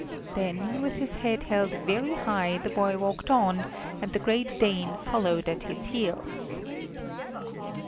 Then, with his head held very high the boy walked on, and the great Dane followed at his heels.